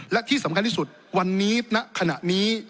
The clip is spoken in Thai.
และที่สำคัญที่สุดวันนี้ณขณะนี้